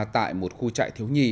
tại một khu chạy thiếu nhi